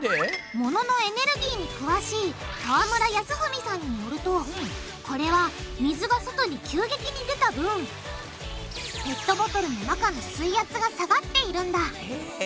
物のエネルギーに詳しい川村康文さんによるとこれは水が外に急激に出た分ペットボトルの中の水圧が下がっているんだへぇ。